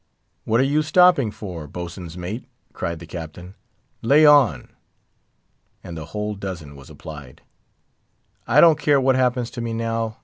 "What are you stopping for, boatswain's mate?" cried the Captain. "Lay on!" and the whole dozen was applied. "I don't care what happens to me now!"